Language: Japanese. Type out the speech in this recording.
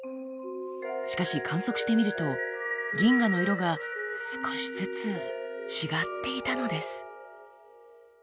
しかし観測してみると銀河の色が少しずつ違っていたのです。